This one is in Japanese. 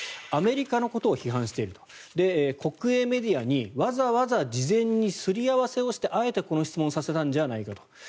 アメリカのことを批判していると国営メディアにわざわざ事前にすり合わせをしてあえて、この質問をさせたんじゃないかと。